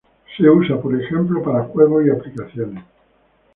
Se usa, por ejemplo, para juegos y aplicaciones.